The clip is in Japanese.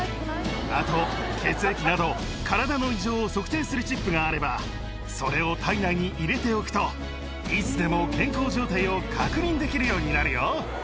あと血液など、体の異常を測定するチップがあれば、それを体内に入れておくと、いつでも健康状態を確認できるようになるよ。